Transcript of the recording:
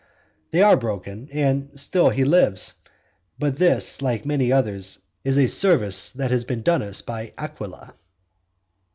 They are broken, and still he lives. But this, like many others, is a service that has been done us by Aquila.